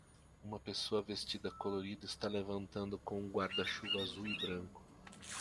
Uma pessoa vestida colorida está levantando com um guarda-chuva azul e branco.